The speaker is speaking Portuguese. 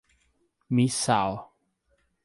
Missal